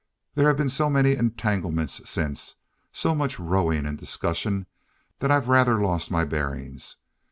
There have been so many entanglements since, so much rowing and discussion, that I've rather lost my bearings.